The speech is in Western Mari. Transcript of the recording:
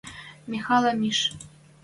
Михӓлӓ миш.